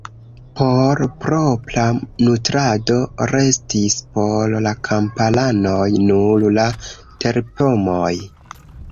Por propra nutrado restis por la kamparanoj nur la terpomoj.